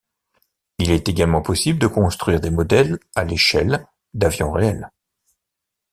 Il est également possible de construire des modèles à l’échelle d’avions réels.